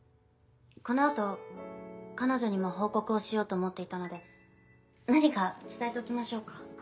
この後彼女にも報告をしようと思っていたので何か伝えておきましょうか？